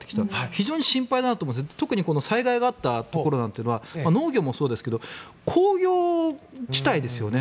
非常に心配だと思うんですが特に災害があったところは農業もそうですけど工業地帯ですよね。